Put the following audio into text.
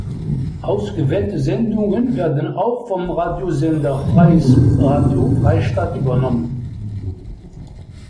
Ausgewählte Sendungen werden auch vom Radiosender Freies Radio Freistadt übernommen.